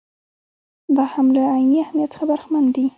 دا هم له عیني اهمیت څخه برخمن دي.